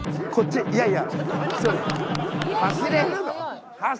いやいや。